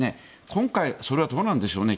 今回、それはどうなんでしょうね。